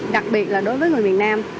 đặc biệt là đối với người miền nam